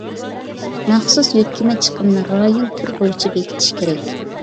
مەخسۇس يۆتكىمە چىقىمنى رايون، تۈر بويىچە بېكىتىش كېرەك.